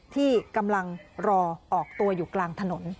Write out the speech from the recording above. ที่กำลังรอออกตัวอยู่กลางถนน